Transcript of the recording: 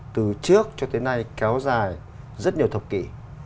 từ trước cho tới nay kéo dài rất nhiều thập kỷ